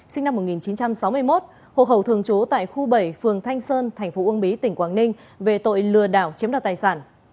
sinh năm một nghìn chín trăm sáu mươi một hộ khẩu thường trú tại khu bảy phường thanh sơn thành phố uông bí tỉnh quảng ninh về tội lừa đảo chiếm đoạt tài sản